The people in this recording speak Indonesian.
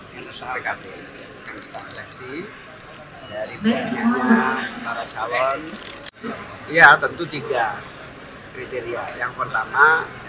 ya tentu tiga kriteria yang pertama